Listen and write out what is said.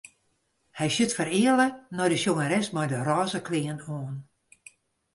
Hy sjocht fereale nei de sjongeres mei de rôze klean oan.